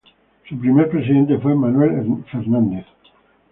Su primer presidente fue Manuel Fernández.